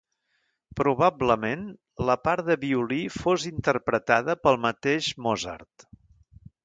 Probablement, la part de violí fos interpretada pel mateix Mozart.